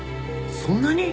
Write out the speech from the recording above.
そんなに？